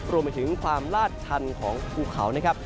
รวมไปถึงความลาดชันของภูเขานะครับ